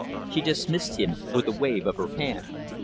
She dismissed him with a wave of her hand.